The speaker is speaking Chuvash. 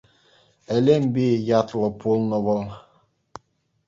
Элемпи ятлӑ пулнӑ вӑл.